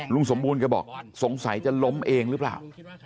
สมบูรณแกบอกสงสัยจะล้มเองหรือเปล่า